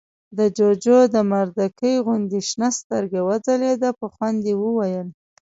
د جُوجُو د مردکۍ غوندې شنه سترګه وځلېده، په خوند يې وويل: